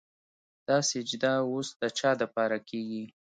دا سجده وس د چا دپاره کيږي